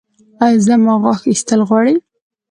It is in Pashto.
ایا زما غاښ ایستل غواړي؟